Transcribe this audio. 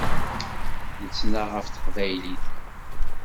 Nettnaɣ ɣef teqbaylit.